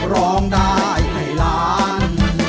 ร้องได้ไทยร้าน